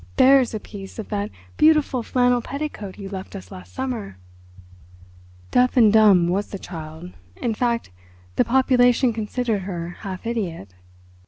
There is a piece of that beautiful flannel petticoat you left us last summer." "... Deaf and dumb was the child; in fact, the population considered her half idiot...."